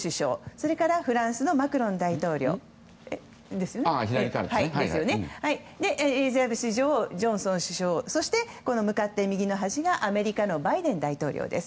それからフランスのマクロン大統領エリザベス女王、ジョンソン首相そして向かって右端がアメリカのバイデン大統領です。